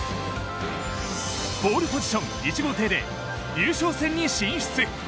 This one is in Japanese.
ポールポジション、１号艇で優勝戦に進出。